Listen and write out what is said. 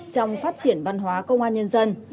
trong phát triển văn hóa công an nhân dân